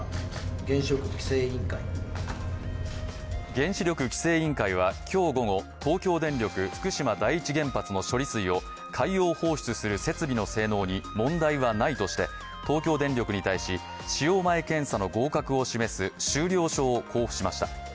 原子力規制委員会は今日午後東京電力福島第一原発の処理水を海洋放出する設備の性能に問題はないとして東京電力に対し、使用前検査の合格を示す終了証を交付しました。